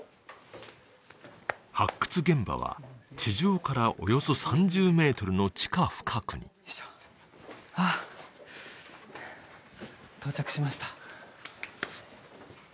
発掘現場は地上からおよそ３０メートルの地下深くにはあ到着しました